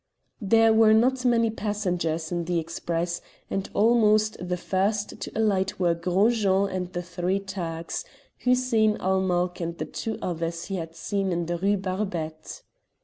There were not many passengers in the express, and among the first to alight were Gros Jean and the three Turks Hussein ul Mulk and the two others he had seen in the Rue Barbette.